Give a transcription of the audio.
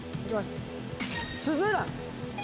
すずらん。